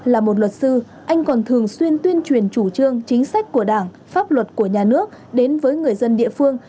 là một luật sư anh còn thường xuyên tuyên truyền chủ trương chính sách của đảng pháp luật của nhà nước đến với người dân địa phương